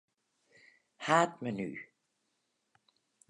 Haadmenu.